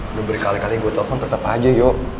udah berkali kali gue telfon tetep aja yuk